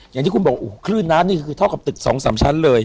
อย่างที่คุณบอกโอ้โหคลื่นนะนี่คือทอดกับตึกสองสามชั้นเลย